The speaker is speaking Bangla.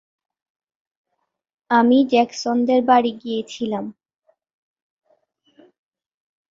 আমি জ্যাকসনদের বাড়ি গিয়েছিলাম।